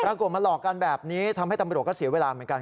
ปรากฏมาหลอกกันแบบนี้ทำให้ตำรวจก็เสียเวลาเหมือนกัน